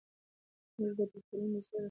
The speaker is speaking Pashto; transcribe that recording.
موږ به د ټولنې د اصلاح لپاره کار کوو.